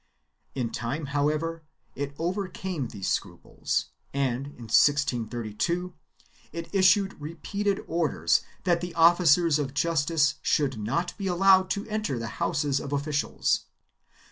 3 In time, however, it overcame these scruples and, in 1632, it issued repeated orders that the officers of justice should not be allowed to enter the houses of officials.